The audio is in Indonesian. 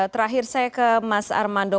terakhir saya ke mas armando